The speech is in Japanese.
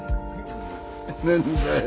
何だよ？